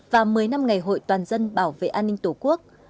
và một mươi năm ngày hội toàn dân bảo vệ an ninh tổ quốc